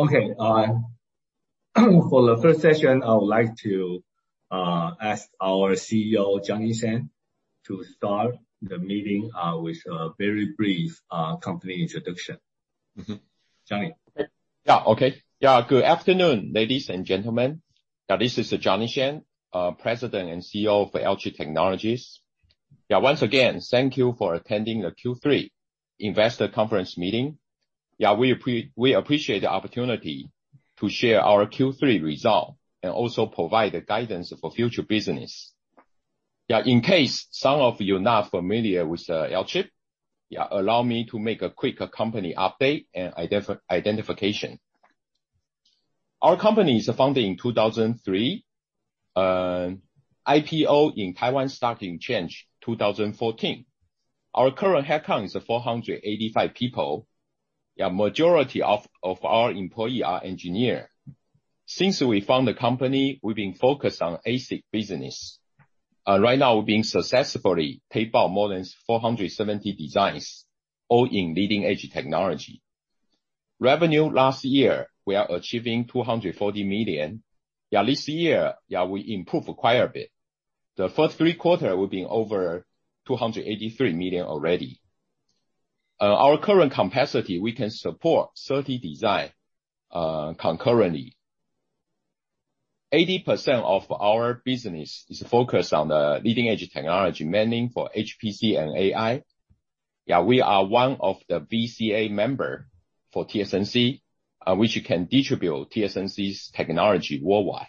Okay. For the first session, I would like to ask our CEO, Johnny Shen, to start the meeting with a very brief company introduction. Johnny. Good afternoon, ladies and gentlemen. This is Johnny Shen, President and CEO for Alchip Technologies. Once again, thank you for attending the Q3 Investor Conference Meeting. We appreciate the opportunity to share our Q3 result, and also provide the guidance for future business. In case some of you are not familiar with Alchip, allow me to make a quick company update and identification. Our company is founded in 2003. IPO in Taiwan Stock Exchange, 2014. Our current headcount is 485 people. Majority of our employees are engineers. Since we founded the company, we've been focused on ASIC business. Right now, we have successfully taped out more than 470 designs, all in leading-edge technology. Revenue last year, we are achieving $240 million. This year, we improve quite a bit. The first three quarters will be over 283 million already. Our current capacity, we can support 30 designs concurrently. 80% of our business is focused on leading-edge technology, mainly for HPC and AI. We are one of the VCA members for TSMC, which can distribute TSMC's technology worldwide.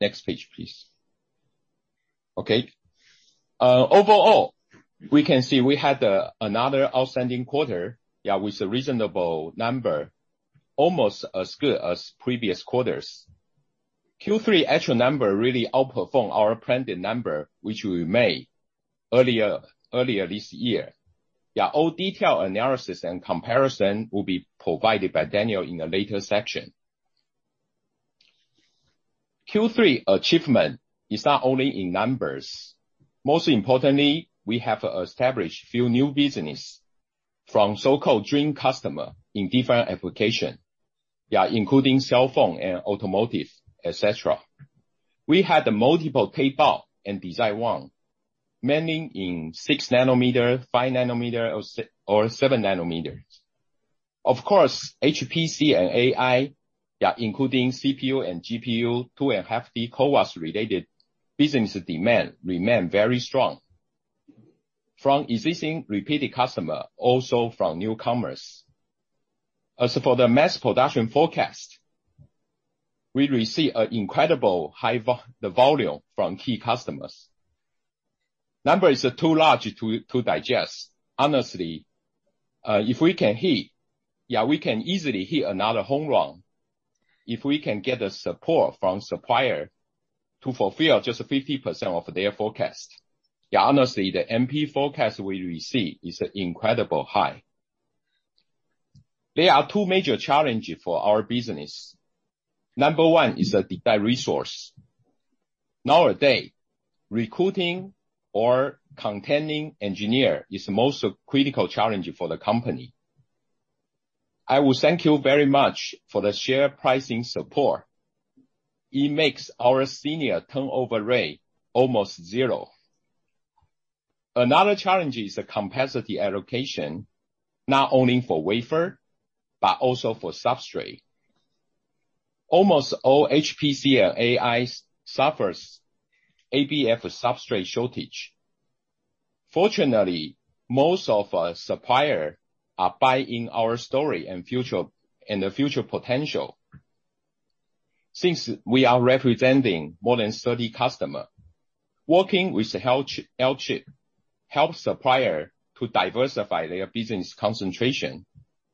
Next page, please. Okay. Overall, we can see we had another outstanding quarter with a reasonable number, almost as good as previous quarters. Q3 actual number really outperform our planned number, which we made earlier this year. All detailed analysis and comparison will be provided by Daniel in a later section. Q3 achievement is not only in numbers. Most importantly, we have established few new business from so-called dream customer in different application, yeah, including cell phone and automotive, et cetera. We had multiple tape out and design win, mainly in 6 nm, 5 nm or 7 nm. Of course, HPC and AI, yeah, including CPU and GPU, 2.5D CoWoS related business demand remain very strong from existing repeated customer, also from newcomers. As for the mass production forecast, we receive an incredible high the volume from key customers. Number is too large to digest. Honestly, if we can hit, yeah, we can easily hit another home run if we can get the support from supplier to fulfill just 50% of their forecast. Yeah, honestly, the MP forecast we receive is incredible high. There are two major challenge for our business. Number one is the die resource. Nowadays, recruiting or retaining engineers is the most critical challenge for the company. I want to thank you very much for the share price support. It makes our senior turnover rate almost zero. Another challenge is the capacity allocation, not only for wafer, but also for substrate. Almost all HPC and AI suffer ABF substrate shortage. Fortunately, most of our suppliers are buying our story and future, and the future potential. Since we are representing more than 30 customers, working with TSMC helps suppliers to diversify their business concentration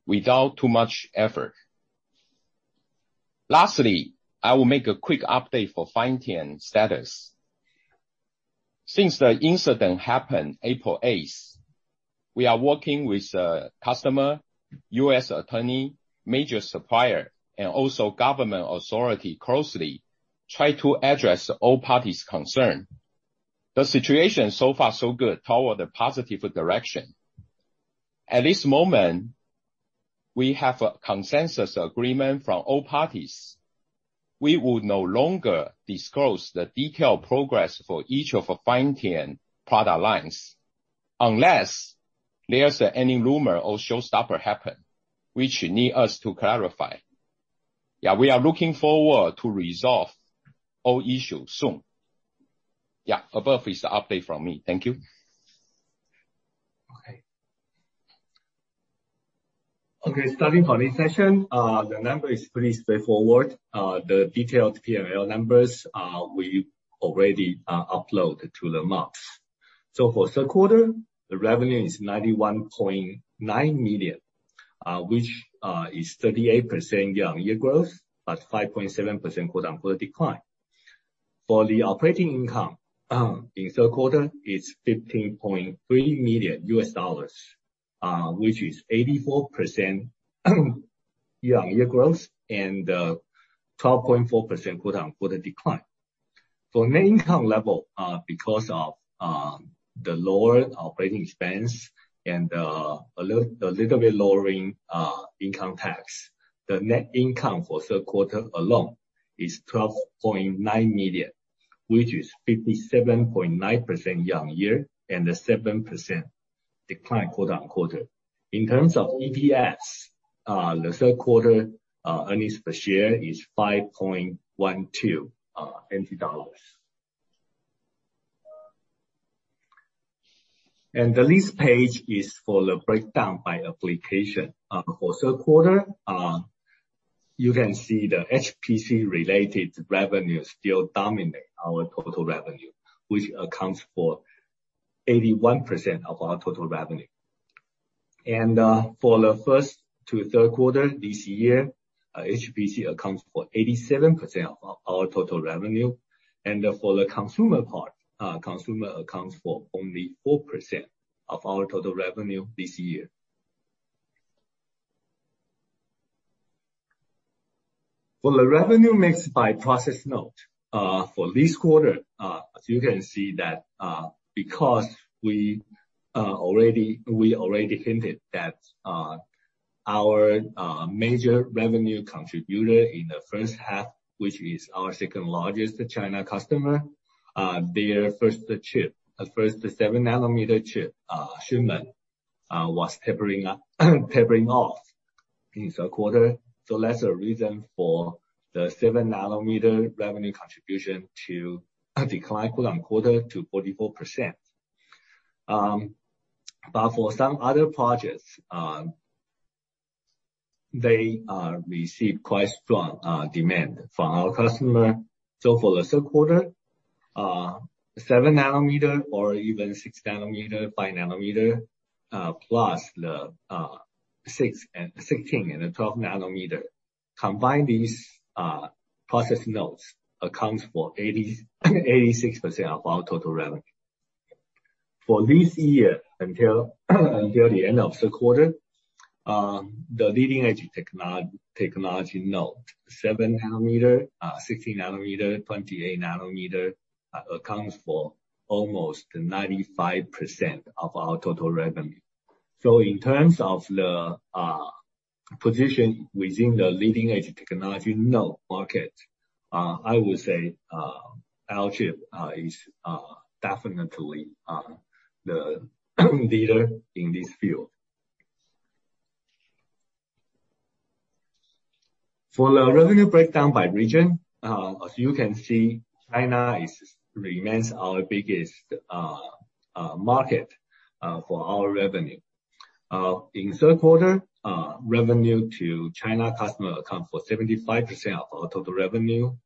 without too much effort. Lastly, I will make a quick update for Phytium status. Since the incident happened 8 April, we are working with customer, U.S. authorities, major supplier, and also government authorities closely, trying to address all parties concerned. The situation so far, so good toward a positive direction. At this moment, we have a consensus agreement from all parties. We will no longer disclose the detailed progress for each of our Feiteng product lines, unless there's any rumor or showstopper happen, which need us to clarify. Yeah, we are looking forward to resolve all issue soon. Yeah. Above is the update from me. Thank you. Okay. Starting from this session, the number is pretty straightforward. The detailed PNL numbers, we already upload to the MOPS. For third quarter, the revenue is $91.9 million, which is 38% year-on-year growth, but 5.7% quarter-on-quarter decline. For the operating income in third quarter is $15.3 million, which is 84% year-on-year growth and 12.4% quarter-on-quarter decline. For net income level, because of the lower operating expense and a little bit lower income tax, the net income for third quarter alone is $12.9 million, which is 57.9% year-on-year, and a 7% decline quarter-on-quarter. In terms of EPS, the third quarter earnings per share is 5.12 NT dollars. This page is for the breakdown by application for third quarter. You can see the HPC related revenue still dominate our total revenue, which accounts for 81% of our total revenue. For the first to third quarter this year, HPC accounts for 87% of our total revenue. For the consumer part, consumer accounts for only 4% of our total revenue this year. For the revenue mix by process node, for this quarter, as you can see that, because we already hinted that, our major revenue contributor in the first half, which is our second-largest China customer, their first 7-nanometer chip shipment was tapering off in third quarter. That's a reason for the 7-nanometer revenue contribution to decline quarter-over-quarter to 44%. But for some other projects, they received quite strong demand from our customer. For the third quarter, 7-nanometer or even 6-nanometer, 5-nanometer, plus the 16 and the 12 nanometer, combine these process nodes accounts for 86% of our total revenue. For this year until the end of third quarter, the leading-edge technology node, 7 nm, 16 nm, 28 nm, accounts for almost 95% of our total revenue. In terms of the position within the leading-edge technology node market, I would say Alchip is definitely the leader in this field. For the revenue breakdown by region, as you can see, China remains our biggest market for our revenue. In third quarter, revenue to China customer account for 75% of our total revenue.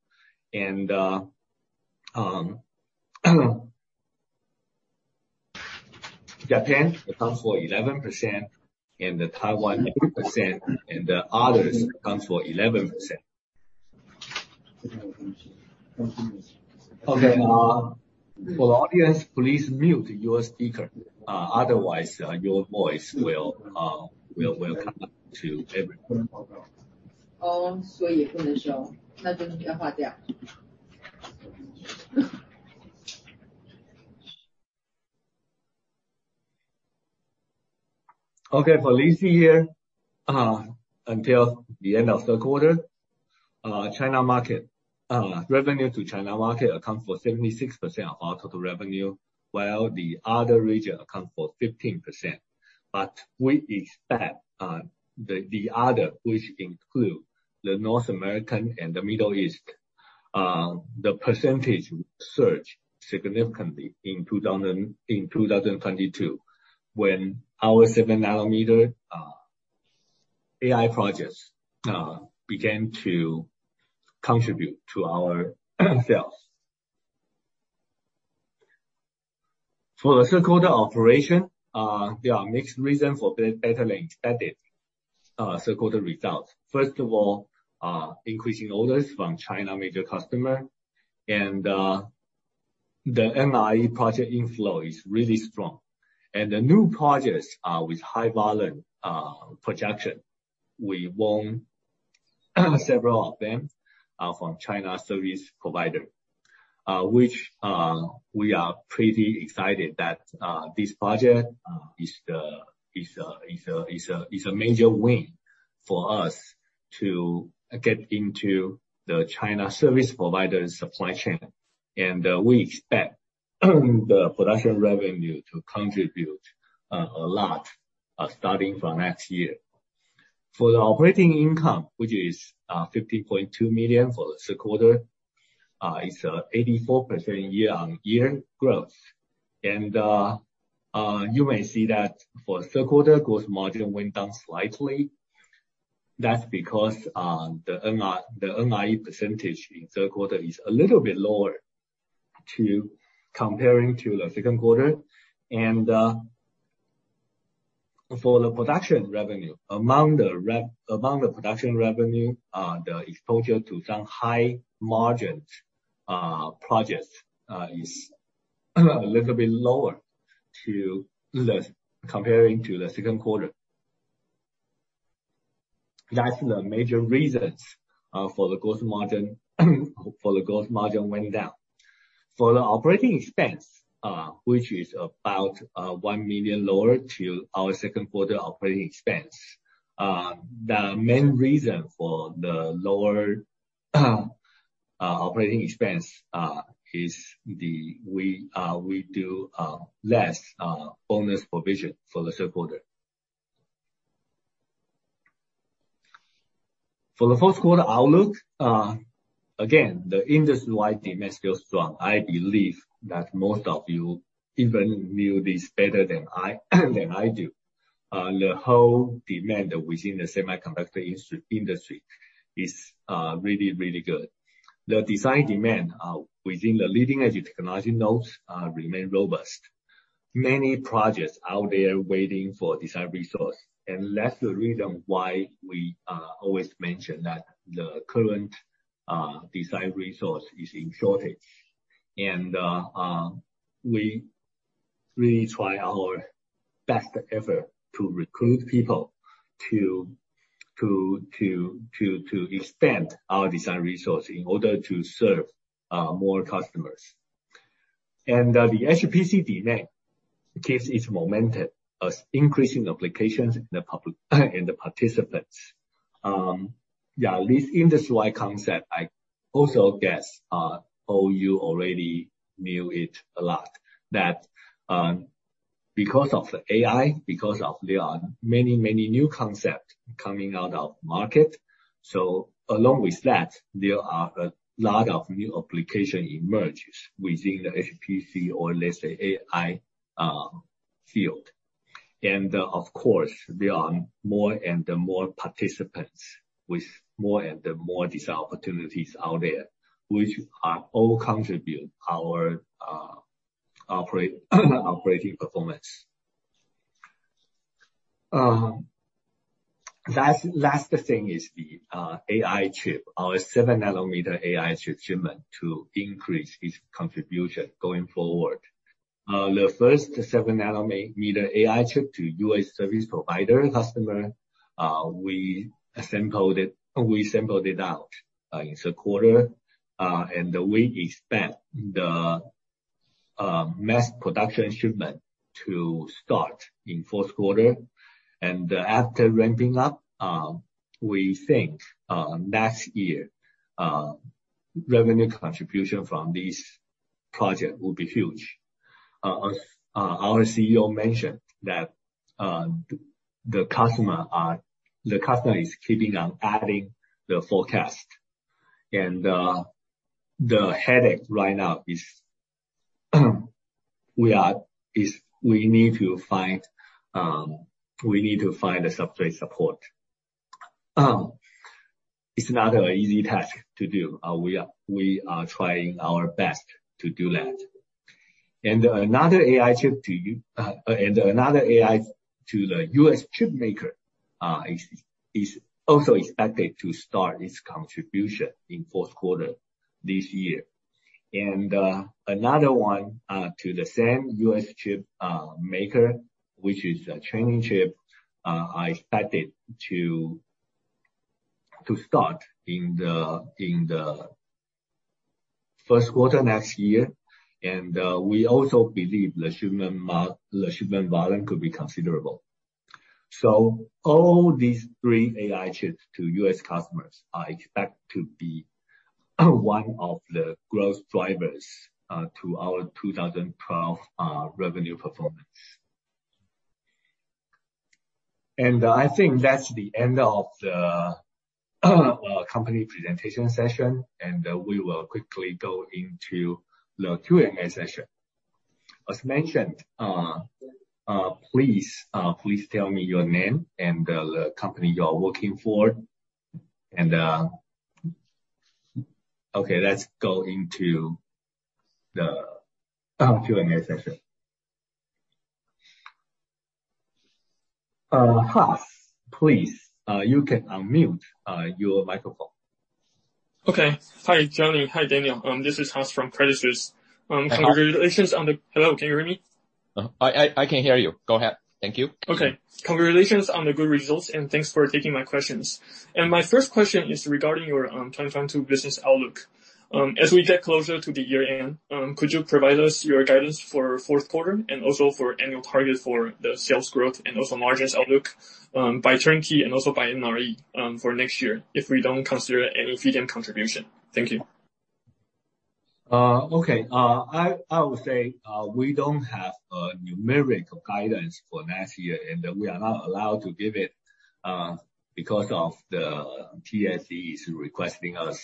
Japan accounts for 11% and Taiwan 8%, and the others accounts for 11%. For this year, until the end of third quarter, China market revenue to China market accounts for 76% of our total revenue, while the other region accounts for 15%. We expect the other, which include the North America and the Middle East, the percentage surge significantly in 2022, when our 7 nm AI projects began to contribute to our sales. For the third quarter operation, there are mixed reason for better than expected third quarter results. First of all, increasing orders from China major customer and the NRE project inflow is really strong. The new projects with high volume projection, we won several of them from China service provider, which we are pretty excited that this project is a major win for us to get into the China service provider supply chain. We expect the production revenue to contribute a lot starting from next year. For the operating income, which is 50.2 million for the third quarter, is 84% year-on-year growth. You may see that for third quarter, gross margin went down slightly. That's because the NRE percentage in third quarter is a little bit lower than comparing to the second quarter. For the production revenue, among the production revenue, the exposure to some high-margin projects is a little bit lower, comparing to the second quarter. That's the major reasons for the gross margin went down. For the operating expense, which is about 1 million lower than our second quarter operating expense. The main reason for the lower operating expense is we do less bonus provision for the third quarter. For the fourth quarter outlook, again, the industry-wide demand feels strong. I believe that most of you even know this better than I do. The whole demand within the semiconductor industry is really good. The design demand within the leading-edge technology nodes remain robust. Many projects out there waiting for design resource. That's the reason why we always mention that the current design resource is in shortage. We really try our best effort to recruit people to extend our design resource in order to serve more customers. The HPC demand keeps its momentum as increasing applications in the participants. This industry-wide concept, I also guess, all you already knew it a lot, that because of AI, because of there are many, many new concept coming out of market. So along with that, there are a lot of new application emerges within the HPC or let's say AI field. Of course, there are more and more participants with more and more design opportunities out there, which are all contribute our operate... Operating performance. Last thing is the AI chip. Our 7-nanometer AI chip shipment to increase its contribution going forward. The first 7-nanometer AI chip to U.S. service provider customer, we tape out in the quarter. We expect the mass production shipment to start in fourth quarter. After ramping up, we think next year revenue contribution from this project will be huge. Our CEO mentioned that the customer is keeping on adding to the forecast. The headache right now is we need to find suppliers to support. It's not an easy task to do. We are trying our best to do that. Another AI chip to the U.S. chipmaker is also expected to start its contribution in fourth quarter this year. Another one to the same U.S. chip maker, which is a training chip, expected to start in the first quarter next year. We also believe the shipment volume could be considerable. All these three AI chips to U.S. customers are expected to be one of the growth drivers to our 2022 revenue performance. I think that's the end of the company presentation session, and we will quickly go into the Q&A session. As mentioned, please tell me your name and the company you're working for and. Okay, let's go into the Q&A session. Haas, please, you can unmute your microphone. Okay. Hi, Johnny. Hi, Daniel. This is Haas from Credit Suisse. Hello. Hello, can you hear me? I can hear you. Go ahead. Thank you. Okay. Congratulations on the good results, and thanks for taking my questions. My first question is regarding your 2022 business outlook. As we get closer to the year-end, could you provide us your guidance for fourth quarter and also for annual target for the sales growth and also margins outlook, by turnkey and also by NRE, for next year, if we don't consider Amphion contribution? Thank you. Okay. I would say we don't have a numerical guidance for next year, and we are not allowed to give it because of the TSE is requesting us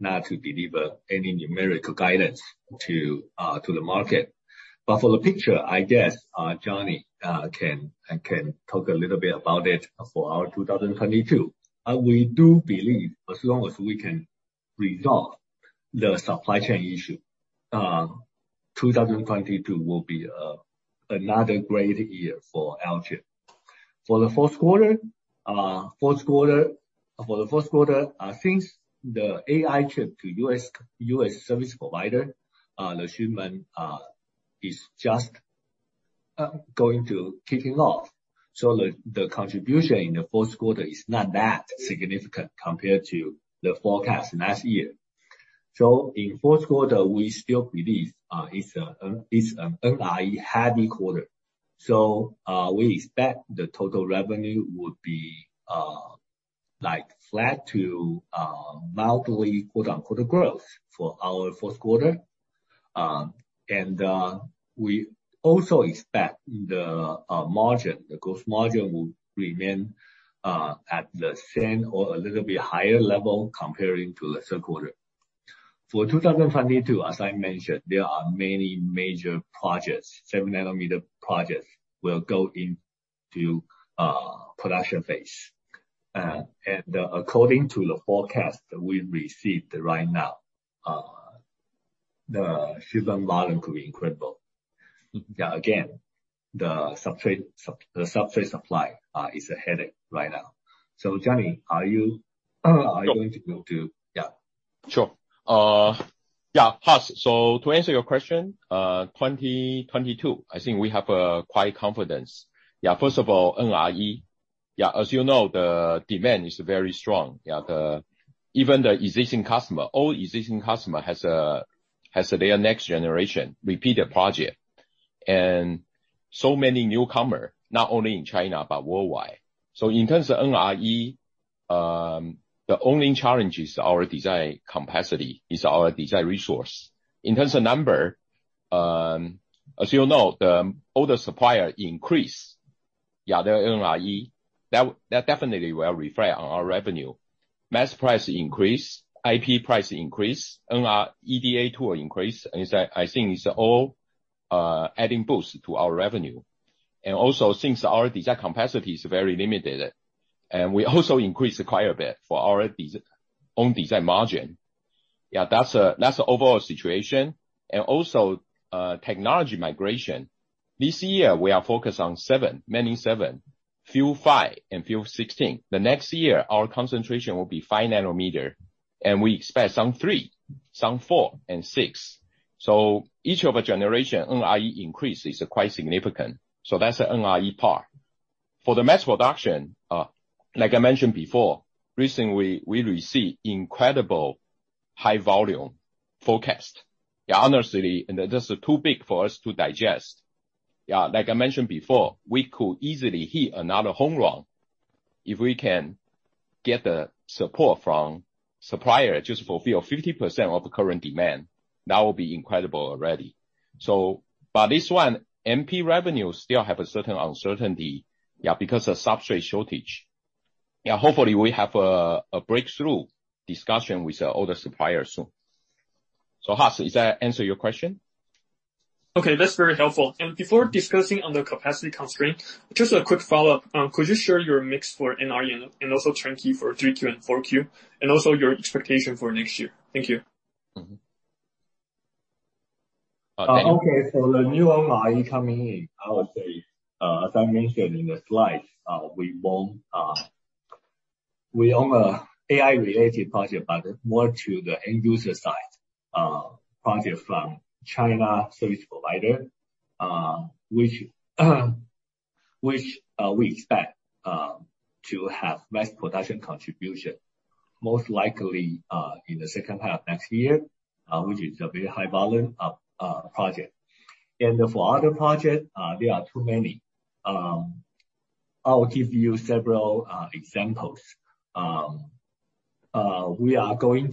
not to deliver any numerical guidance to the market. For the picture, I guess, Johnny can talk a little bit about it for our 2022. We do believe as long as we can resolve the supply chain issue, 2022 will be another great year for Alchip. For the fourth quarter, since the AI chip to U.S. service provider the shipment is just going to kicking off. The contribution in the fourth quarter is not that significant compared to the forecast last year. In fourth quarter, we still believe it's an NRE heavy quarter. We expect the total revenue will be like flat to mildly quote-unquote growth for our fourth quarter. We also expect the margin, the gross margin will remain at the same or a little bit higher level comparing to the third quarter. For 2022, as I mentioned, there are many major projects. 7 nm projects will go into production phase. According to the forecast that we received right now, the silicon volume could be incredible. Yeah, again, the substrate supply is a headache right now. Johnny, are you going to go to? Yeah. Sure. Haas, to answer your question, 2022, I think we have quite confidence. First of all, NRE. As you know, the demand is very strong. Even the existing customer, all existing customer has their next generation repeated project. Many newcomer, not only in China but worldwide. In terms of NRE, the only challenge is our design capacity, is our design resource. In terms of number, as you know, the order supply increase. The NRE. That definitely will reflect on our revenue. Mask price increase, IP price increase, NRE EDA tool increase, is, I think it's all adding boost to our revenue. Also since our design capacity is very limited, and we also increase quite a bit for our own design margin. Yeah, that's the overall situation. Also, technology migration. This year we are focused on 7 nm, mainly 7 nm. Few 5 nm and few 16 nm. Next year, our concentration will be 5 nm, and we expect some 3 nm, some 4 nm, and 6 nm. Each of the generation NRE increase is quite significant. That's the NRE part. For the mass production, like I mentioned before, recently we received incredible high volume forecast. Yeah, honestly, and that is too big for us to digest. Yeah, like I mentioned before, we could easily hit another home run if we can get the support from supplier just to fulfill 50% of the current demand. That would be incredible already. This one, MP revenue still have a certain uncertainty, yeah, because of substrate shortage. Yeah, hopefully we have a breakthrough discussion with our suppliers soon. Haas, does that answer your question? Okay, that's very helpful. Before discussing on the capacity constraint, just a quick follow-up. Could you share your mix for NRE and also turnkey for 3Q and 4Q? Also your expectation for next year. Thank you. Mm-hmm. Okay, so the new NRE coming in, I would say, as I mentioned in the slides, we won an AI-related project, but more to the end user side, project from Chinese service provider, which we expect to have mass production contribution, most likely, in the second half of next year, which is a very high volume project. For other projects, there are too many. I'll give you several examples. We already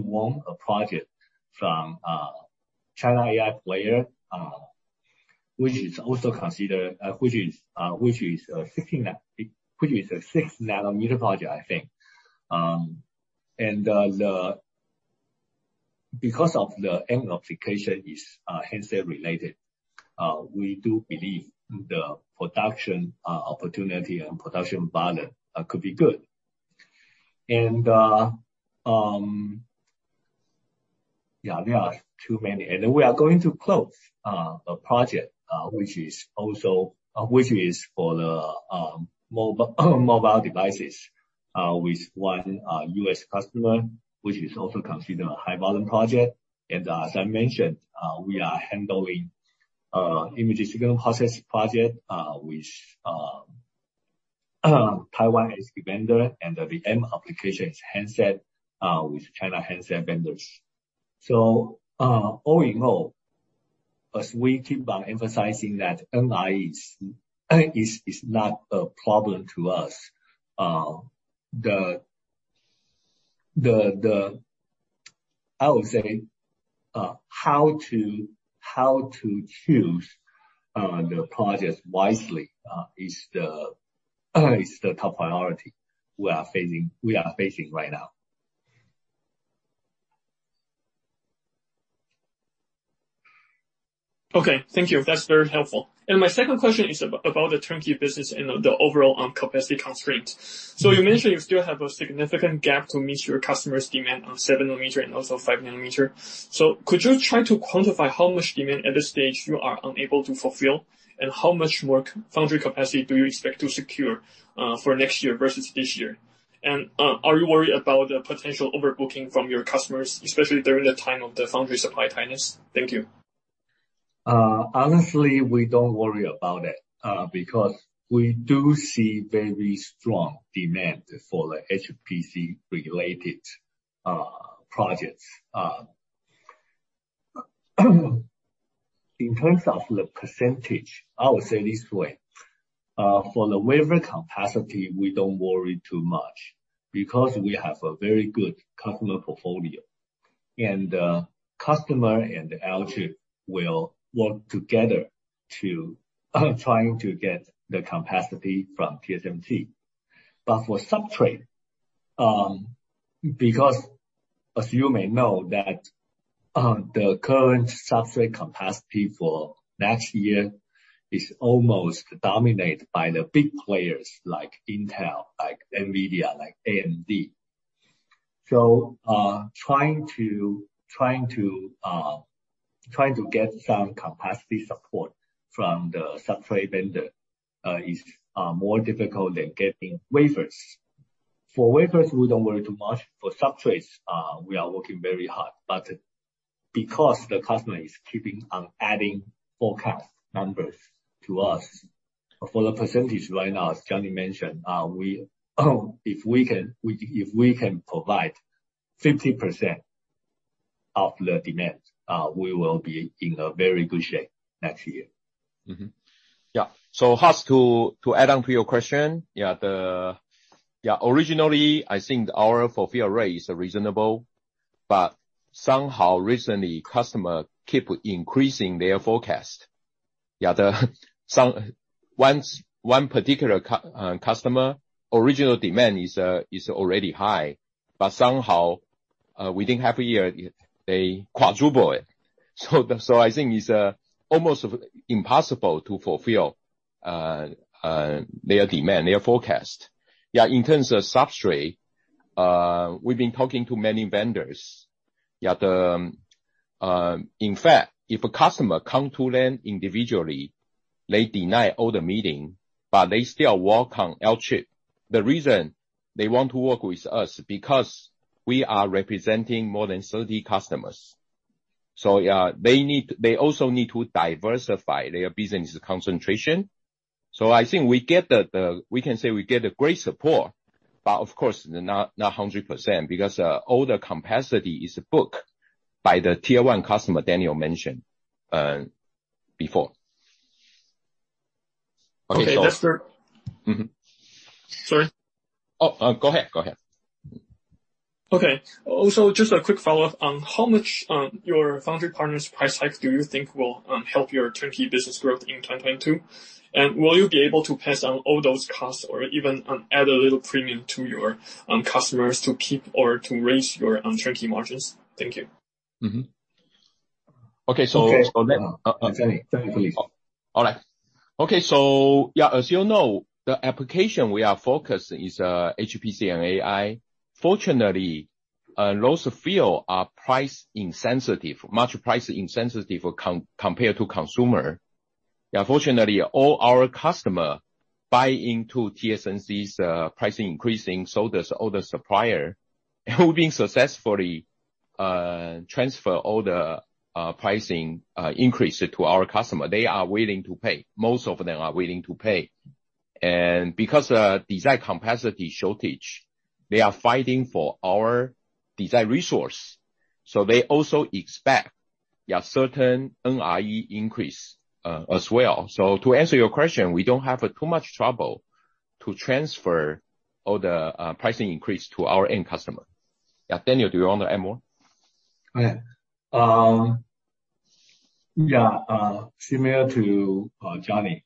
won a project from Chinese AI player, which is also considered a 6 nm project, I think. And the... Because of the end application is handset related, we do believe the production opportunity and production volume could be good. There are too many. We are going to close a project which is also which is for the mobile devices with one U.S. customer, which is also considered a high volume project. As I mentioned, we are handling Image Signal Processor project which Taiwan is vendor and the end application is handset with China handset vendors. All in all, as we keep on emphasizing that NRE is not a problem to us, I would say how to choose the projects wisely is the top priority we are facing right now. Okay, thank you. That's very helpful. My second question is about the turnkey business and the overall capacity constraints. You mentioned you still have a significant gap to meet your customers' demand on 7 nm and also 5 nm. Could you try to quantify how much demand at this stage you are unable to fulfill? How much more foundry capacity do you expect to secure for next year versus this year? Are you worried about the potential overbooking from your customers, especially during the time of the foundry supply tightness? Thank you. Honestly, we don't worry about it because we do see very strong demand for the HPC related projects. In terms of the percentage, I would say this way. For the wafer capacity, we don't worry too much because we have a very good customer portfolio. Customer and Alchip will work together to try to get the capacity from TSMC. For substrate, because as you may know that, the current substrate capacity for next year is almost dominated by the big players like Intel, like Nvidia, like AMD. Trying to get some capacity support from the substrate vendor is more difficult than getting wafers. For wafers, we don't worry too much. For substrates, we are working very hard. Because the customer is keeping on adding forecast numbers to us, for the percentage right now, as Johnny mentioned, if we can provide 50% of the demand, we will be in a very good shape next year. Yeah. Haas, to add on to your question. Originally, I think our fulfill rate is reasonable, but somehow recently, customer keep increasing their forecast. Once one particular customer original demand is already high. But somehow, within half a year, they quadruple it. I think it's almost impossible to fulfill their demand, their forecast. In terms of substrate, we've been talking to many vendors. In fact, if a customer come to them individually, they deny all the meeting, but they still work on Alchip. The reason they want to work with us, because we are representing more than 30 customers. They also need to diversify their business concentration. I think we can say we get a great support, but of course, not 100% because all the capacity is booked by the Tier 1 customer Daniel mentioned before. Okay. Mm-hmm. Sorry. Oh, go ahead, go ahead. Okay. Also, just a quick follow-up on how much your foundry partners price hike do you think will help your turnkey business growth in 2022? And will you be able to pass on all those costs or even add a little premium to your customers to keep or to raise your turnkey margins? Thank you. Mm-hmm. Okay, so- Okay. Johnny, please. All right. Okay. As you know, the application we are focused on is HPC and AI. Fortunately, those fields are price insensitive, much more price insensitive compared to consumer. Fortunately, all our customers buy into TSMC's pricing increases, so do all the suppliers, who have been successfully transferring all the pricing increases to our customers. They are willing to pay. Most of them are willing to pay. Because of design capacity shortage, they are fighting for our design resource. They also expect certain NRE increase as well. To answer your question, we don't have too much trouble to transfer all the pricing increase to our end customer. Daniel, do you want to add more? Yeah. Similar to Johnny.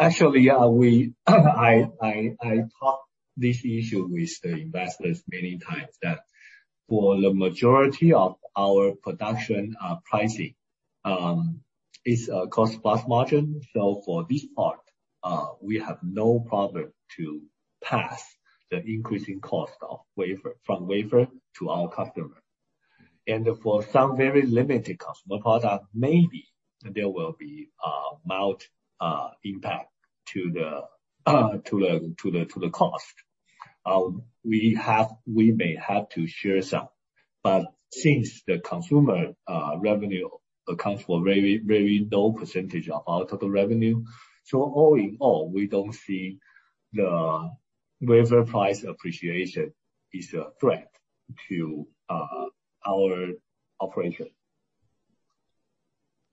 Actually, I talk this issue with the investors many times that for the majority of our production, pricing is a cost-plus margin. For this part, we have no problem to pass the increasing cost of wafer from wafer to our customer. For some very limited customer product, maybe there will be a mild impact to the cost. We may have to share some, but since the consumer revenue accounts for very low percentage of our total revenue. All in all, we don't see the wafer price appreciation is a threat to our operation.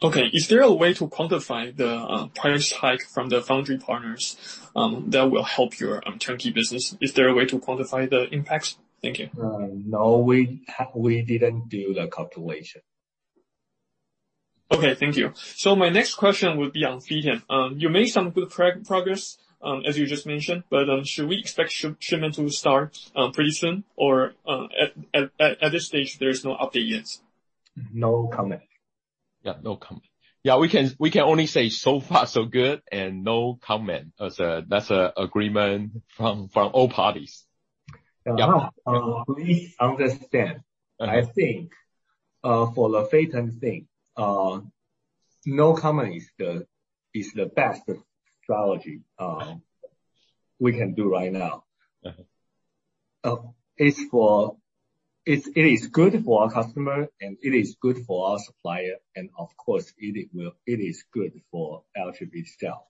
Okay. Is there a way to quantify the price hike from the foundry partners that will help your turnkey business? Is there a way to quantify the impacts? Thank you. No, we didn't do the calculation. Okay, thank you. My next question would be on Feiteng. You made some good progress, as you just mentioned, but should we expect shipment to start pretty soon? Or, at this stage, there's no update yet? No comment. Yeah, no comment. Yeah, we can only say so far so good and no comment. That's a agreement from all parties. Yeah. Please understand. I think, for the Feiteng thing, no comment is the best strategy we can do right now. Mm-hmm. It is good for our customer, and it is good for our supplier, and of course, it is good for LHB itself.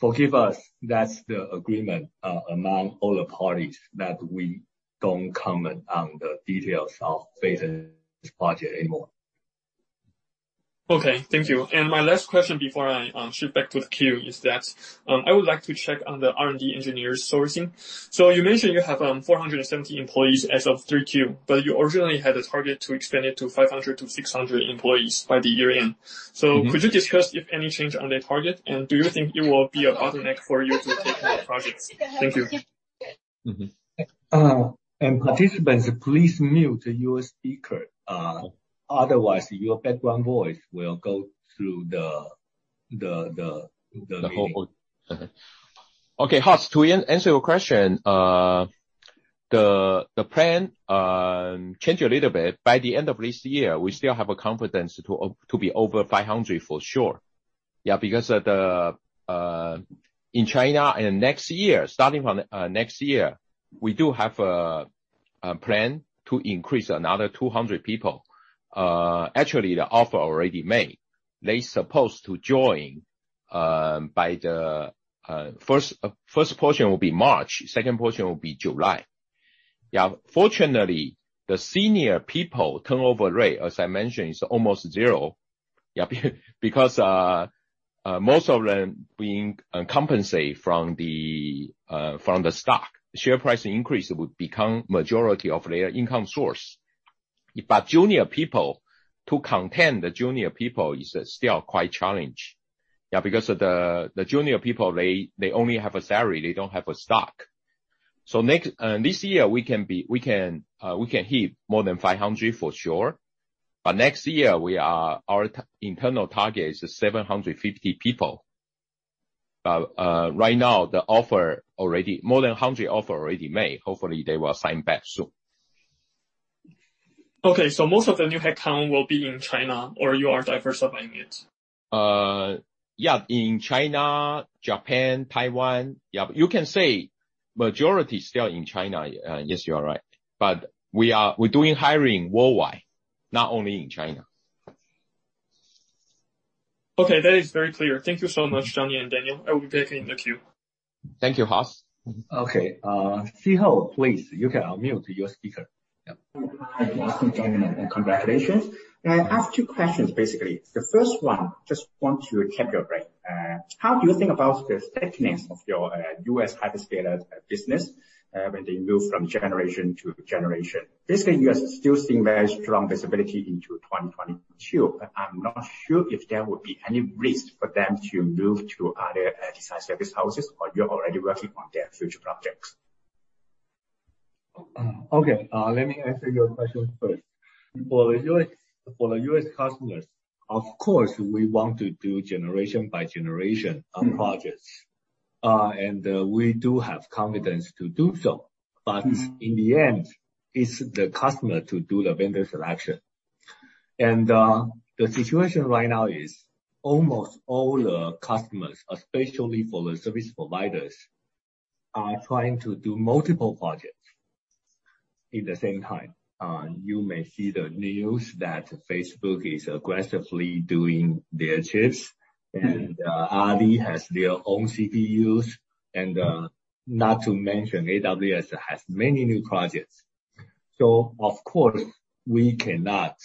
Forgive us. That's the agreement among all the parties that we don't comment on the details of Phytium's project anymore. Okay. Thank you. My last question before I shift back to the queue is that I would like to check on the R&D engineer sourcing. You mentioned you have 470 employees as of 3Q, but you originally had a target to expand it to 500-600 employees by the year-end. Mm-hmm. Could you discuss if any change on the target, and do you think it will be a bottleneck for you to take more projects? Thank you. Participants, please mute your speaker. Otherwise your background noise will go through the meeting. Okay, Haas, to answer your question, the plan changed a little bit. By the end of this year, we still have a confidence to be over 500 for sure. Yeah, because of the in China and next year, starting from next year, we do have a plan to increase another 200 people. Actually, the offer already made. They supposed to join by the first portion will be March. Second portion will be July. Yeah. Fortunately, the senior people turnover rate, as I mentioned, is almost zero. Yeah. Because most of them are compensated from the stock share price increase would become majority of their income source. But junior people, to retain the junior people is still quite challenged. Yeah, because of the junior people, they only have a salary. They don't have a stock. Next this year we can hit more than 500 for sure. Next year our internal target is 750 people. Right now, more than 100 offers already made. Hopefully they will sign back soon. Okay, most of the new headcount will be in China or you are diversifying it? In China, Japan, Taiwan. You can say majority still in China. Yes, you are right. We're doing hiring worldwide, not only in China. Okay. That is very clear. Thank you so much, Johnny and Daniel. I will be back in the queue. Thank you, Haas. Okay. Szeho, please, you can unmute your speaker. Yep. Thank you, Johnny, and congratulations. May I ask two questions, basically. The first one, just want to check your brain. How do you think about the thickness of your, U.S. hyperscaler business, when they move from generation to generation? Basically, you are still seeing very strong visibility into 2022. I'm not sure if there will be any risk for them to move to other design service houses or you're already working on their future projects. Okay. Let me answer your question first. For U.S., for the U.S. customers, of course, we want to do generation by generation. Mm-hmm. on projects. We do have confidence to do so. Mm-hmm. In the end, it's up to the customer to do the vendor selection. The situation right now is almost all the customers, especially for the service providers, are trying to do multiple projects at the same time. You may see the news that Facebook is aggressively doing their chips. Mm-hmm. Alibaba has their own CPUs and, not to mention AWS has many new projects. Of course, we cannot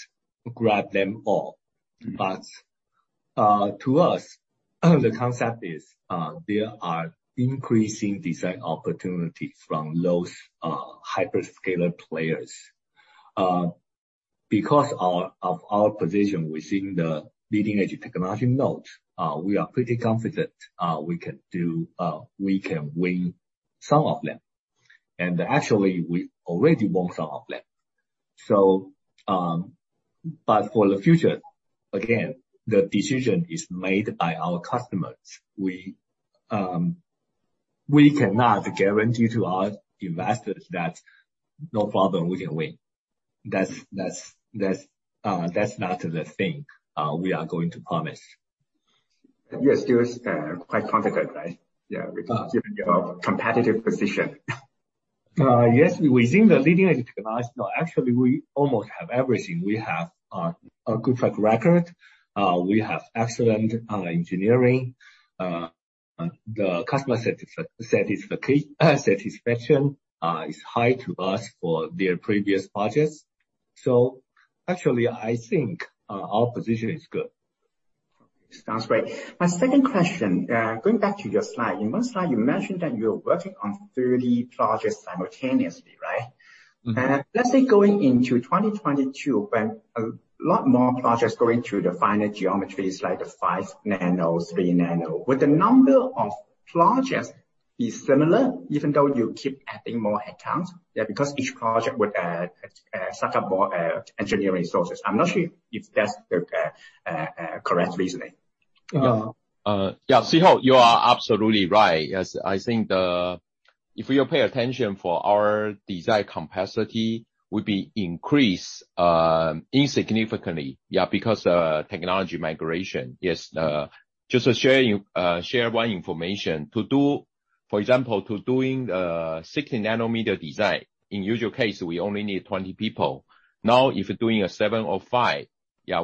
grab them all. Mm-hmm. To us, the concept is, there are increasing design opportunities from those hyperscaler players. Because of our position within the leading-edge technology nodes, we are pretty confident we can win some of them. Actually, we already won some of them. But for the future, again, the decision is made by our customers. We cannot guarantee to our investors that no problem, we can win. That's not the thing we are going to promise. Yes. You're quite confident, right? Yeah. Uh- Given your competitive position. Yes. Within the leading-edge technology, actually, we almost have everything. We have a good track record. We have excellent engineering. The customer satisfaction is high for us for their previous projects. Actually, I think our position is good. Sounds great. My second question, going back to your slide. In one slide, you mentioned that you're working on 30 projects simultaneously, right? Mm-hmm. Let's say going into 2022, when a lot more projects going through the final geometries, like the 5 nm, 3 nm. Would the number of projects be similar even though you keep adding more accounts? Yeah, because each project would suck up more engineering resources. I'm not sure if that's the correct reasoning. Yeah. Szeho, you are absolutely right. Yes, I think if you pay attention for our design capacity, will be increased insignificantly because technology migration. Just to share one information. For example, to doing 60 nm design, in usual case, we only need 20 people. Now, if you're doing a seven or five,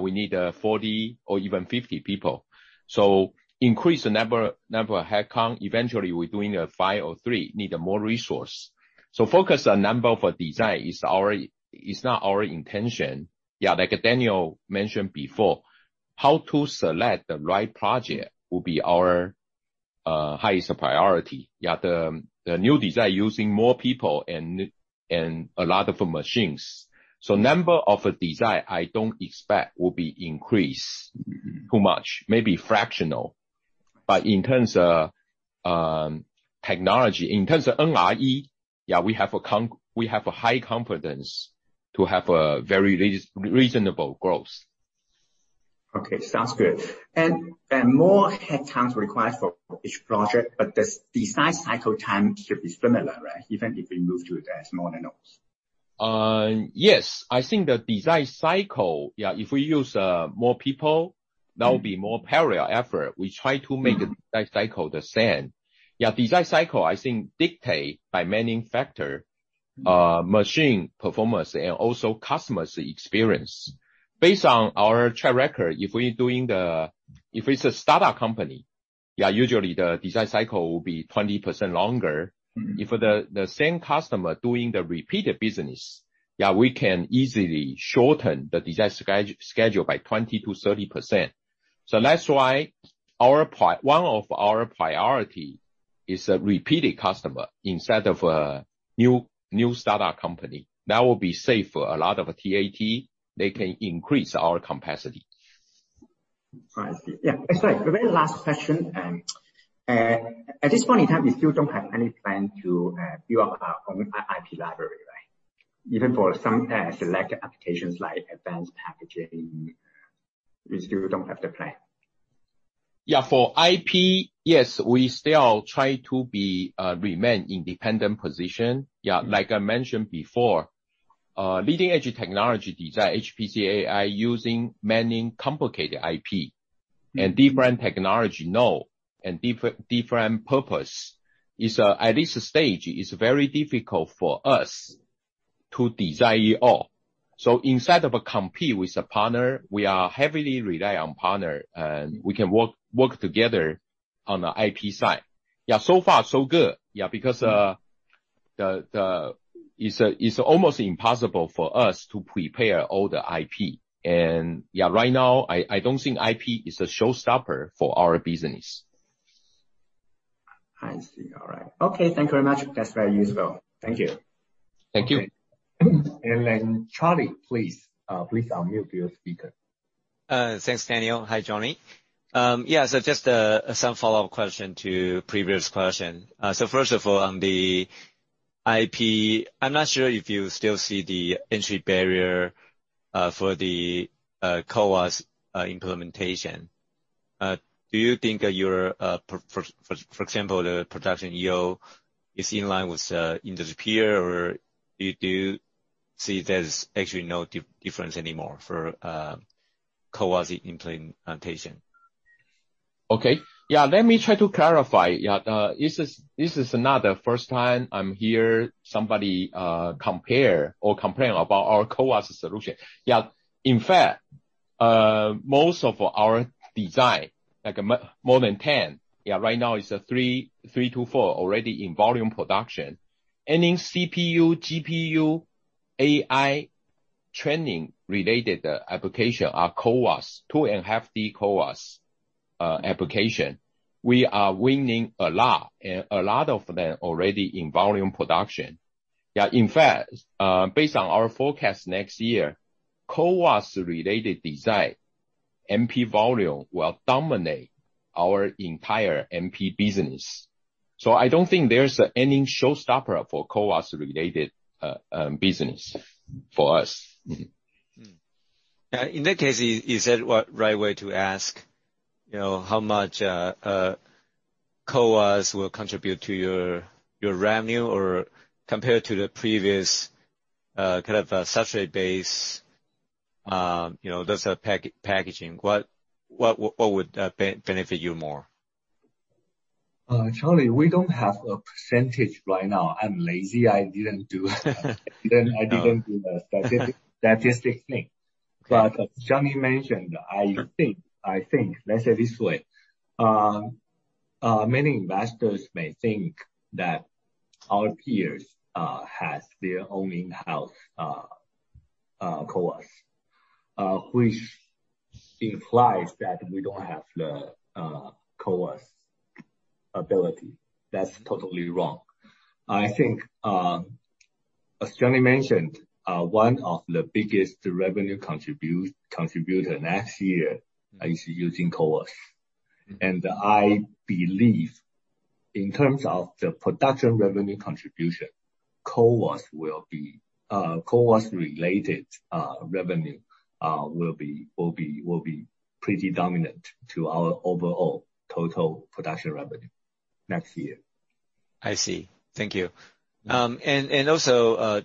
we need 40 or even 50 people. So increase the number of headcount, eventually we're doing a five or three, need more resource. So focus on number for design is not our intention. Like Daniel mentioned before, how to select the right project will be our highest priority. The new design using more people and a lot of machines. So number of design I don't expect will be increased too much, maybe fractional. In terms of technology, in terms of NRE, yeah, we have a high confidence to have a very reasonable growth. Okay, sounds good. More headcounts required for each project, but the design cycle time should be similar, right? Even if we move to the smaller nodes. Yes. I think the design cycle, if we use more people, that will be more parallel effort. We try to make the design cycle the same. The design cycle I think dictated by many factors, machine performance and also customer experience. Based on our track record, if it's a startup company, usually the design cycle will be 20% longer. If the same customer doing the repeated business, we can easily shorten the design schedule by 20%-30%. That's why one of our priorities is a repeated customer instead of a new startup company. That will save a lot of TAT. They can increase our capacity. I see. Yeah. Sorry, the very last question, at this point in time, we still don't have any plan to build our own IP library, right? Even for some select applications like advanced packaging, you still don't have the plan. Yeah. For IP, yes, we still try to remain independent position. Yeah. Like I mentioned before, leading-edge technology design, HPC, AI, using many complicated IP and different technology nodes and different purposes. At this stage, it's very difficult for us to design it all. Instead of compete with a partner, we heavily rely on partner, and we can work together on the IP side. Yeah, so far so good. Yeah, because it's almost impossible for us to prepare all the IP. Yeah, right now, I don't think IP is a showstopper for our business. I see. All right. Okay, thank you very much. That's very useful. Thank you. Thank you. Charlie, please unmute your speaker. Thanks, Daniel. Hi, Johnny. Just some follow-up question to previous question. First of all, on the IP, I'm not sure if you still see the entry barrier for the CoWoS implementation. Do you think your, for example, the production yield is in line with industry peer? Or do you see there's actually no difference anymore for CoWoS implementation? Okay. Let me try to clarify. This is not the first time I've heard somebody compare or complain about our CoWoS solution. In fact, most of our design, more than 10, right now it's three to four already in volume production. Any CPU, GPU, AI training related application are 2.5D CoWoS application. We are winning a lot of them already in volume production. In fact, based on our forecast next year, CoWoS related design MP volume will dominate our entire MP business. I don't think there's any showstopper for CoWoS related business for us. In that case, is it the right way to ask, you know, how much CoWoS will contribute to your revenue or compared to the previous kind of substrate base, you know, that's a packaging. What would benefit you more? Charlie, we don't have a percentage right now. I'm lazy. I didn't do a statistic thing. As Johnny mentioned, I think, let's say this way, many investors may think that our peers has their own in-house CoWoS, which implies that we don't have the CoWoS ability. That's totally wrong. I think, as Johnny mentioned, one of the biggest revenue contribution next year is using CoWoS. I believe in terms of the production revenue contribution, CoWoS will be CoWoS related revenue will be pretty dominant to our overall total production revenue next year. I see. Thank you. Also,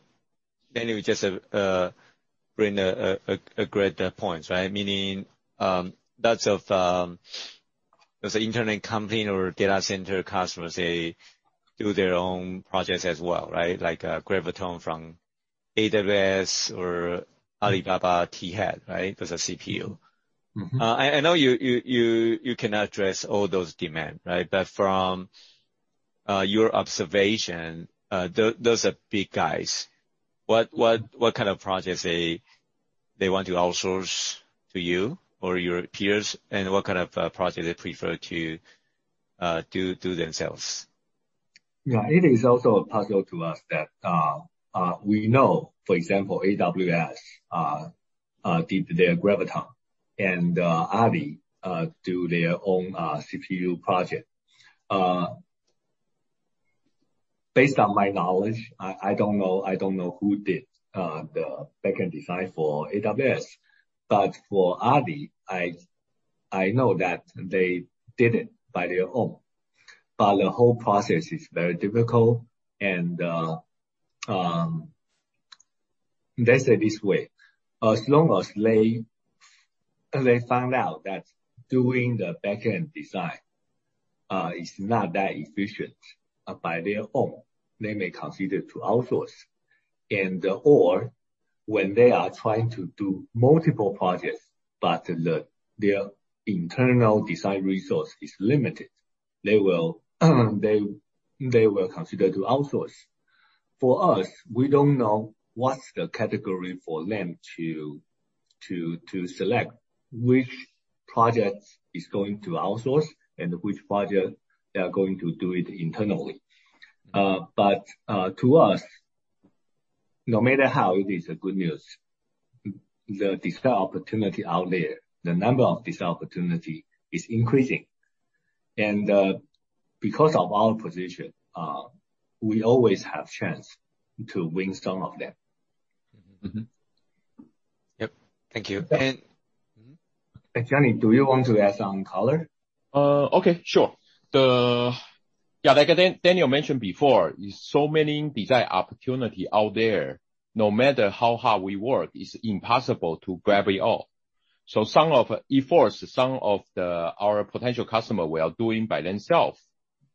Daniel, you just bring a great point, right? Meaning, lots of as an internet company or data center customers, they do their own projects as well, right? Like, Graviton from AWS or Alibaba T-Head, right? As a CPU. Mm-hmm. I know you cannot address all those demand, right? But from your observation, those are big guys. What kind of projects they want to outsource to you or your peers, and what kind of projects they prefer to do themselves? Yeah. It is also a puzzle to us that we know, for example, AWS did their Graviton and Alibaba do their own CPU project. Based on my knowledge, I don't know who did the backend design for AWS. For Alibaba, I know that they did it on their own. The whole process is very difficult and, let's say this way, as long as they find out that doing the backend design is not that efficient on their own, they may consider to outsource. And/or when they are trying to do multiple projects, but their internal design resource is limited, they will consider to outsource. For us, we don't know what's the category for them to select which projects is going to outsource and which project they are going to do it internally. To us, no matter how it is a good news, the design opportunity out there, the number of design opportunity is increasing. Because of our position, we always have chance to win some of them. Thank you. Johnny, do you want to add some color? Okay, sure. Like Daniel mentioned before, so many design opportunities out there, no matter how hard we work, it's impossible to grab it all. Some of our efforts, some of our potential customers were doing by themselves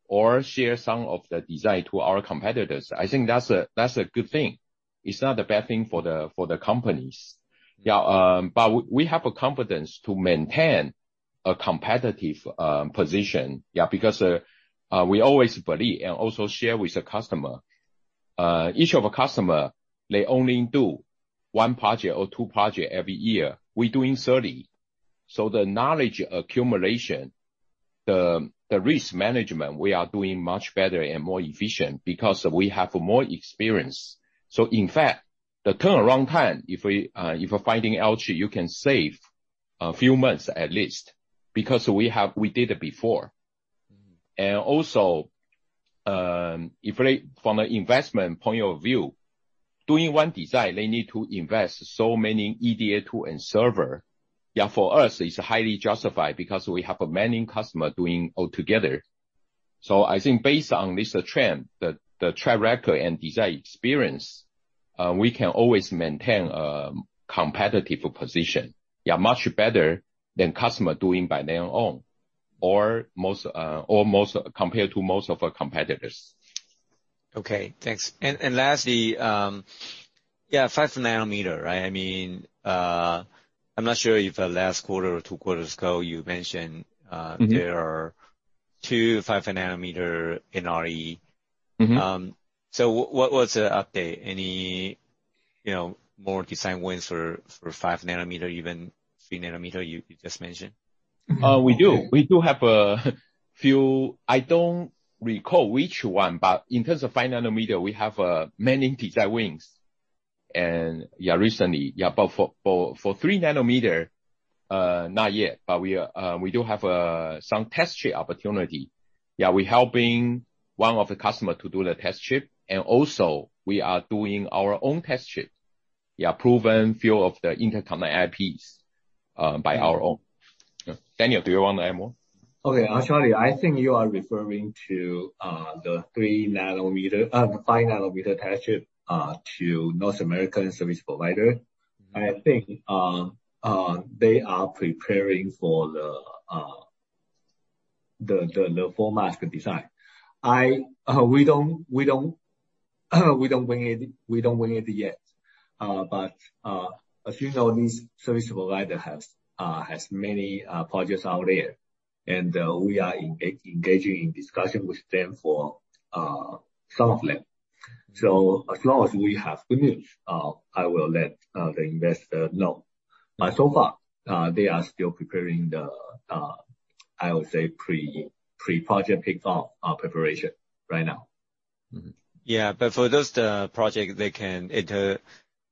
or share some of the design to our competitors. I think that's a good thing. It's not a bad thing for the companies. We have a competency to maintain a competitive position. We always believe and also share with the customer, each of our customers, they only do one project or two projects every year. We're doing 30. The knowledge accumulation, the risk management, we are doing much better and more efficient because we have more experience. In fact, the turnaround time, if we're finalizing, you can save a few months at least, because we did it before. Also, if they, from an investment point of view, doing one design, they need to invest so many EDA tools and servers. Yeah, for us, it's highly justified because we have many customers doing all together. I think based on this trend, the track record and design experience, we can always maintain a competitive position. Yeah, much better than customers doing by their own or most compared to most of our competitors. Okay, thanks. Lastly, yeah, 5 nm, right? I mean, I'm not sure if last quarter or two quarters ago you mentioned, Mm-hmm. There are 2 5 nm NRE. Mm-hmm. What was the update? Any, you know, more design wins for 5 nm, even 3 nm you just mentioned? We do have a few. I don't recall which one, but in terms of 5 nm, we have many design wins recently. For 3 nm, not yet. We do have some test chip opportunity. We helping one of the customer to do the test chip, and also we are doing our own test chip, proving few of the internal IPs by our own. Daniel, do you wanna add more? Okay. Johnny, I think you are referring to the 3 nm, the 5 nm test chip to North American service provider. I think they are preparing for the full mask design. We don't win it yet. As you know, this service provider has many projects out there, and we are engaging in discussion with them for some of them. As long as we have good news, I will let the investor know. So far, they are still preparing the, I would say pre-project kickoff preparation right now. Yeah. For those, the project, they can enter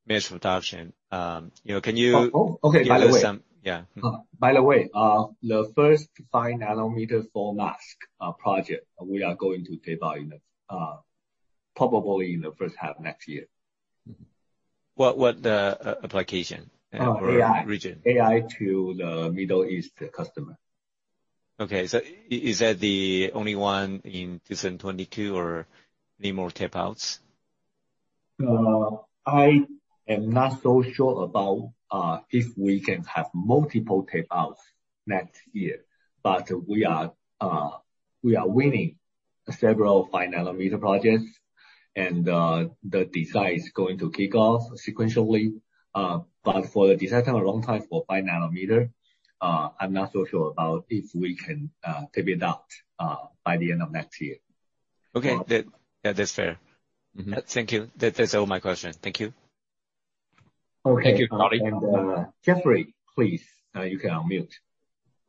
mass production. You know, can you- Okay, by the way. Give us some... Yeah. Mm-hmm. By the way, the first 5 nm full mask project, we are going to tape out probably in the first half next year. What application for region? AI to the Middle East customer. Okay. Is that the only one in 2022 or any more tape outs? I am not so sure about if we can have multiple tape outs next year. We are winning several five nanometer projects and the design is going to kick off sequentially. For the design time, a long time for five nanometer, I am not so sure about if we can tape it out by the end of next year. Okay. That is fair. Mm-hmm. Thank you. That's all my question. Thank you. Okay. Thank you, Charlie. Jeffrey, please, you can unmute.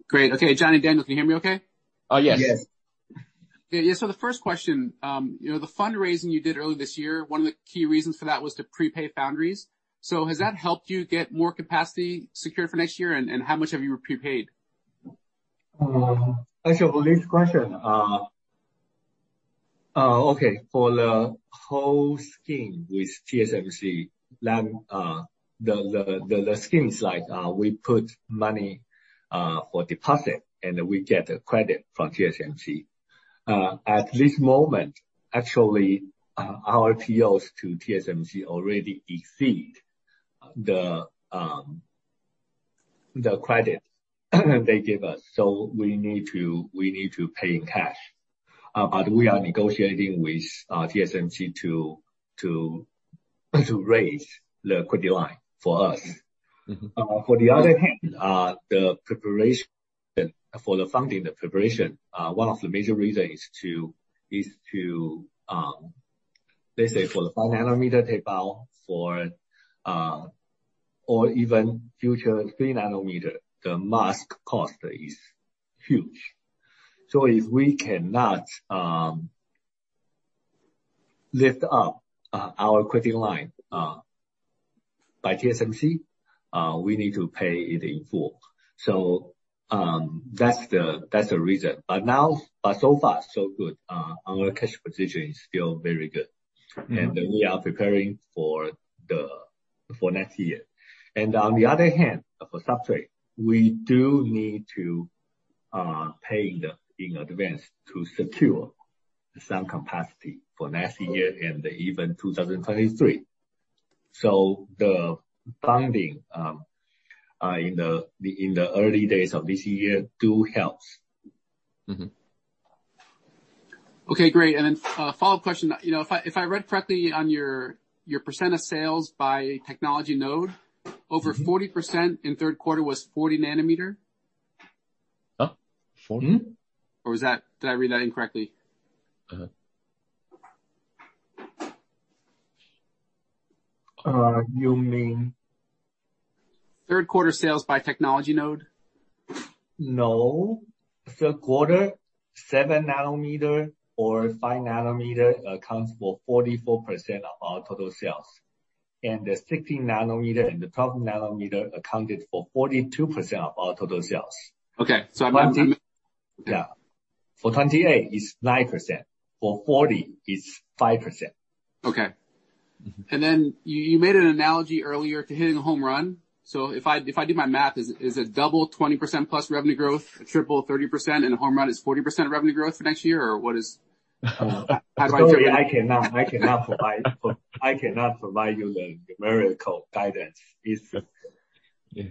Great. Okay, Johnny, Daniel, can you hear me okay? Yes. Yes. Yeah. The first question, you know, the fundraising you did early this year, one of the key reasons for that was to prepay foundries. Has that helped you get more capacity secured for next year? How much have you prepaid? Actually, for this question, for the whole scheme with TSMC, then, the schemes like, we put money for deposit and we get credit from TSMC. At this moment, actually, our POs to TSMC already exceed the credit they give us. We need to pay in cash. We are negotiating with TSMC to raise the credit line for us. Mm-hmm. On the other hand, the preparation for the funding, one of the major reasons is to let's say for the 5 nm tape out or even future 3 nm, the mask cost is huge. If we cannot lift up our credit line by TSMC, we need to pay it in full. That's the reason. So far, so good. Our cash position is still very good. Mm-hmm. We are preparing for next year. On the other hand, for substrate, we do need to pay in advance to secure some capacity for next year and even 2023. The funding in the early days of this year do help. Okay, great. A follow-up question. You know, if I read correctly on your percent of sales by technology node? Mm-hmm. Over 40% in third quarter was 40 nm. 40? Did I read that incorrectly? You mean? Third quarter sales by technology node. No. Third quarter, 7 nm or 5 nm accounts for 44% of our total sales. The 16 nm and the 12 nm accounted for 42% of our total sales. Okay. Yeah. For 28, it's 9%. For 40, it's 5%. Okay. Mm-hmm. You made an analogy earlier to hitting a home run. If I did my math, is it double 20%+ revenue growth, triple 30%, and a home run is 40% revenue growth for next year? Or what is how do I- Sorry, I cannot provide you the numerical guidance. Yeah.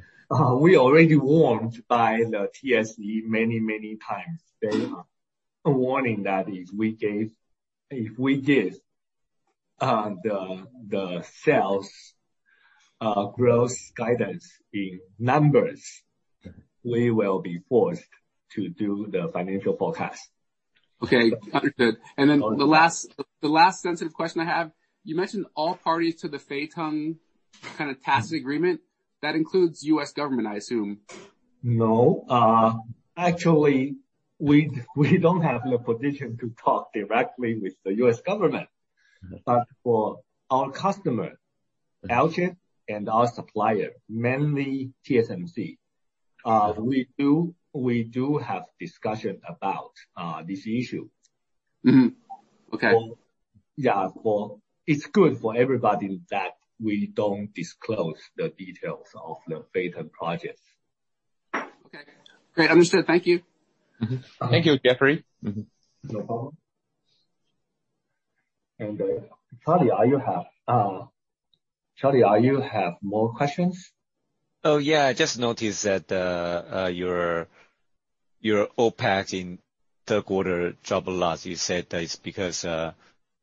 We already warned by the TSE many, many times. They are warning that if we give the sales growth guidance in numbers- Yeah. We will be forced to do the financial forecast. Okay. Understood. The last sensitive question I have, you mentioned all parties to the Feiteng kind of tax agreement. That includes U.S. government, I assume. No. Actually, we don't have the position to talk directly with the U.S. government. Mm-hmm. For our customer, Alchip, and our supplier, mainly TSMC, we do have discussion about this issue. Mm-hmm. Okay. Yeah. It's good for everybody that we don't disclose the details of the Feiteng projects. Okay. Great. Understood. Thank you. Mm-hmm. Thank you, Jeffrey. Mm-hmm. No problem. Charlie, do you have more questions? Oh, yeah. I just noticed that your OPEX in third quarter drove the loss. You said that it's because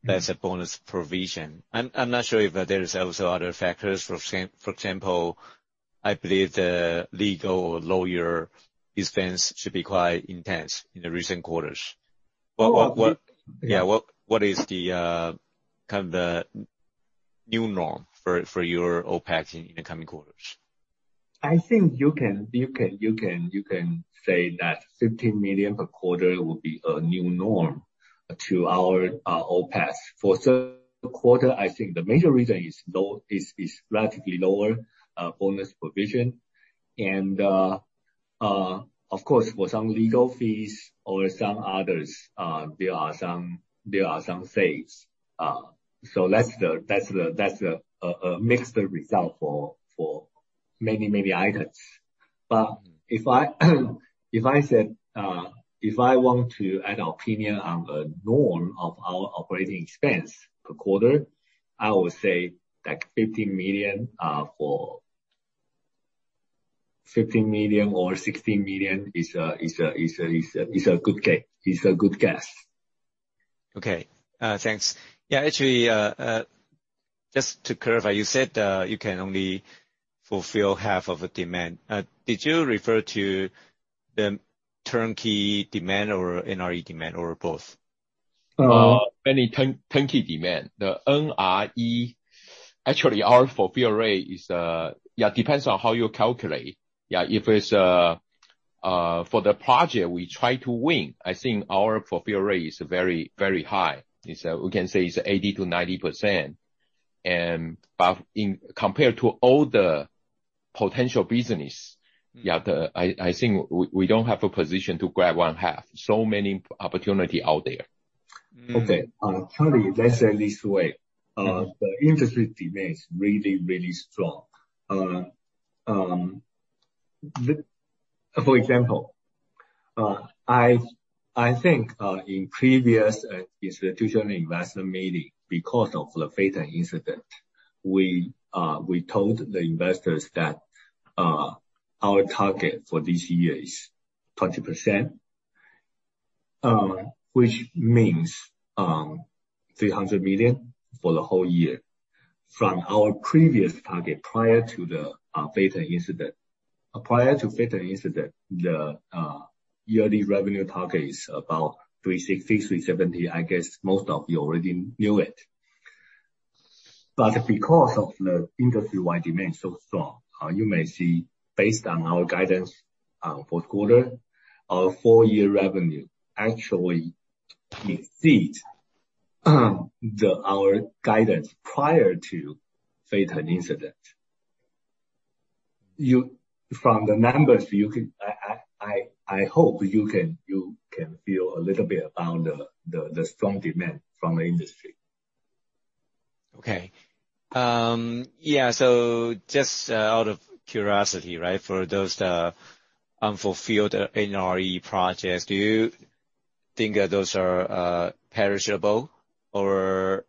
there's a bonus provision. I'm not sure if there is also other factors. For example, I believe the legal or lawyer expense should be quite intense in the recent quarters. What Yeah. Yeah. What is the kind of the new norm for your OPEX in the coming quarters? I think you can say that 15 million per quarter will be a new norm to our OPEX. For third quarter, I think the major reason is relatively lower bonus provision. Of course, for some legal fees or some others, there are some savings. That's a mixed result for many items. If I want to add our opinion on the norm of our operating expense per quarter, I would say like 15 million. 15 million or 16 million is a good guess. Okay. Thanks. Yeah, actually, just to clarify, you said you can only fulfill half of the demand. Did you refer to the turnkey demand or NRE demand or both? Only turnkey demand. The NRE, actually, our fulfill rate depends on how you calculate. If it's for the project we try to win, I think our fulfill rate is very high. We can say it's 80%-90%. But in comparison to all the potential business, I think we don't have a position to grab one half. So many opportunity out there. Okay. Charlie, let's say it this way. The industry demand is really, really strong. For example, I think in previous institutional investor meeting, because of the Phytium incident, we told the investors that our target for this year is 20%, which means 300 million for the whole year. From our previous target prior to the Phytium incident. Prior to Phytium incident, yearly revenue target is about 360 million-370 million. I guess most of you already knew it. Because of the industry-wide demand so strong, you may see based on our guidance, fourth quarter, our full year revenue actually exceeds our guidance prior to Phytium incident. From the numbers, you can... I hope you can feel a little bit about the strong demand from the industry. Okay. Yeah. Just out of curiosity, right? For those, the unfulfilled NRE projects, do you think that those are perishable or,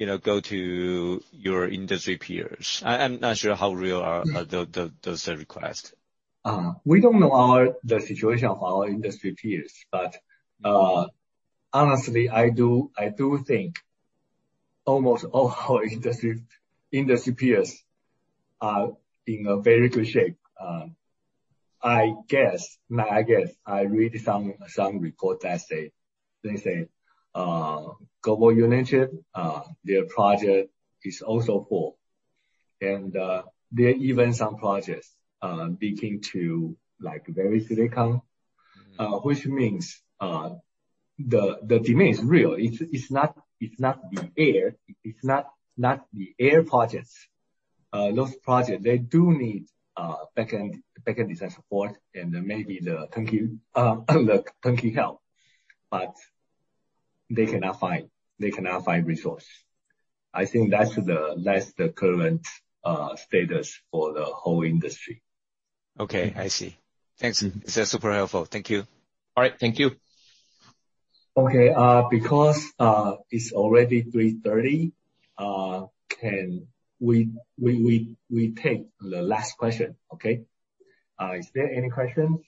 you know, go to your industry peers? I'm not sure how real are those requests. We don't know the situation of our industry peers, but honestly, I do think almost all our industry peers are in a very good shape. I read some report that say Global Unichip, their project is also full. There are even some projects bidding to like VeriSilicon, which means the demand is real. It's not the air projects. Those projects, they do need backend design support and maybe the turnkey help, but they cannot find resource. I think that's the current status for the whole industry. Okay. I see. Thanks. It's super helpful. Thank you. All right. Thank you. Okay. Because it's already 3:30 P.M., can we take the last question. Okay? Is there any questions?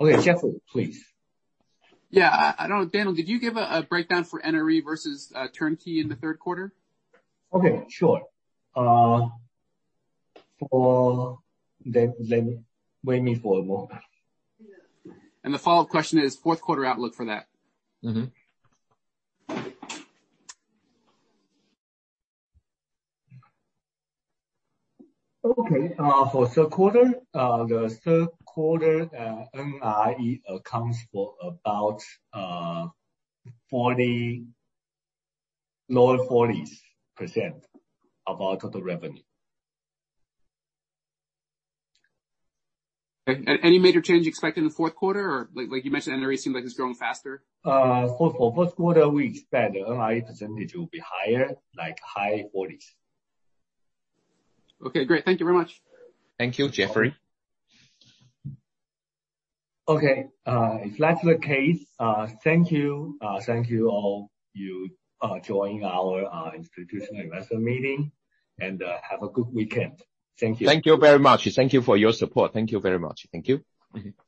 Okay, Jeffrey, please. Yeah. Daniel, did you give a breakdown for NRE versus turnkey in the third quarter? Okay. Sure. Wait for me a moment. The follow-up question is fourth quarter outlook for that. For the third quarter, NRE accounts for about low 40s% of our total revenue. Any major change you expect in the fourth quarter or, like you mentioned, NRE seems like it's growing faster? For fourth quarter, we expect NRE percentage will be higher, like high 40s%. Okay. Great. Thank you very much. Thank you, Jeffrey. Okay. If that's the case, thank you. Thank you all for joining our institutional investor meeting, and have a good weekend. Thank you. Thank you very much. Thank you for your support. Thank you very much. Thank you.